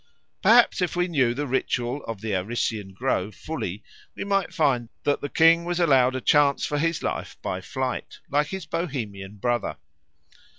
Perhaps if we knew the ritual of the Arician grove fully we might find that the king was allowed a chance for his life by flight, like his Bohemian brother.